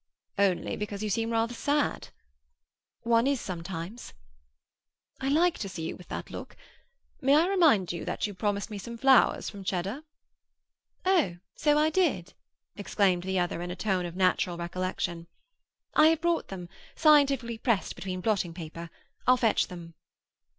"Only because you seem rather sad." "One is sometimes." "I like to see you with that look. May I remind you that you promised me some flowers from Cheddar?" "Oh, so I did," exclaimed the other in a tone of natural recollection. "I have brought them, scientifically pressed between blotting paper. I'll fetch them."